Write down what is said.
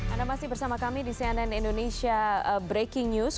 anda masih bersama kami di cnn indonesia breaking news